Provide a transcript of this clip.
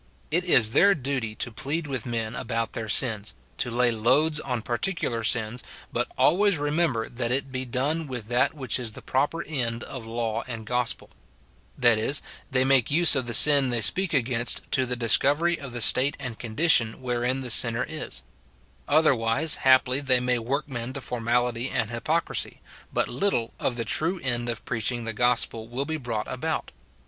It is their duty to plead with men about their sins, to lay loads on particular sins, but always remember that it be done with that which is the proper end of law and gospel; — that is, they make use of the sin they speak against to the discovery of the state and condition wherein the sinner is ; otherwise, haply, they may work men to formality and hypocrisy, but little of the true end of preaching the gospel will be brought about.